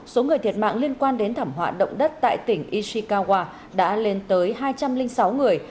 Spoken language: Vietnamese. số người thiệt mạng liên quan đến thảm họa động đất tại tỉnh ishikawa đã lên tới hai trăm linh sáu người